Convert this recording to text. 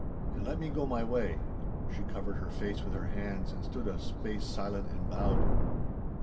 And let me go my way....' She covered her face with her hands and stood a space silent and bowed.